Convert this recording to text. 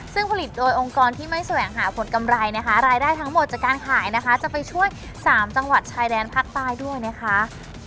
ซึ่งผลิตโดยองค์กรที่ไม่แสวงหาผลกำไรนะคะรายได้ทั้งหมดจากการขายนะคะจะไปช่วย๓จังหวัดชายแดนภาคใต้ด้วยนะคะ